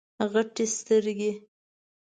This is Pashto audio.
غټي سترګي